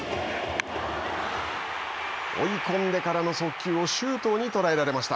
追い込んでからの速球を周東に捉えられました。